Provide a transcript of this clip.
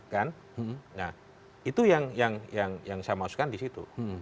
kan nah itu yang saya masukkan di situ